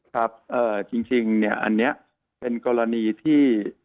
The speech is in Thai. ครับจริงเนี่ยอันนี้เป็นกรณีที่